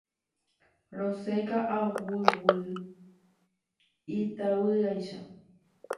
Rosẽ ka'aguy'ígui itavývaicha.